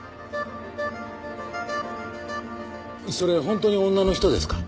本当に女の人ですか？